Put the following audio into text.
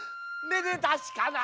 めでたしかな。